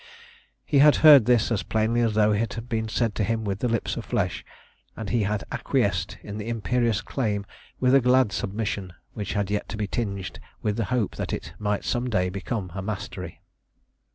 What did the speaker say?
He had heard this as plainly as though it had been said to him with the lips of flesh, and he had acquiesced in the imperious claim with a glad submission which had yet to be tinged with the hope that it might some day become a mastery.